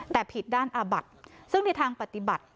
แต่ผิดด้านอาบัติซึ่งในทางปฏิบัติ